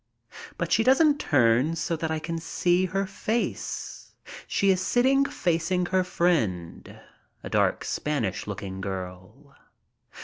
But she doesn't turn so that I can see her face. She is sitting facing her friend, a dark, Spanish looking girl.